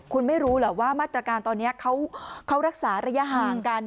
คุณไม่รู้เหรอว่ามาตรการตอนนี้เขารักษาระยะห่างกัน